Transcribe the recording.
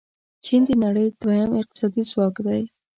چین د نړۍ دویم اقتصادي ځواک دی.